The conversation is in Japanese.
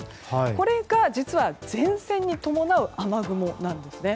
これが実は、前線に伴う雨雲なんですね。